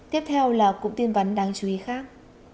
tiếp theo là cũng tin vấn đáng chú ý khác